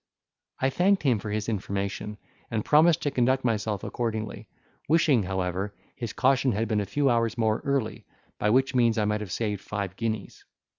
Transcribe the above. I thanked him for his information, and promised to conduct myself accordingly, wishing, however, his caution had been a few hours more early, by which means I might have saved five guineas.